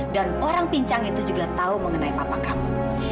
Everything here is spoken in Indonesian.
dan orang pincang itu juga tahu mengenai papa kamu